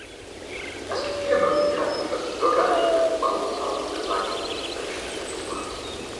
Es gibt viele Möglichkeiten, über die Bürgerrechte Europa für seine Menschen nützlich zu machen.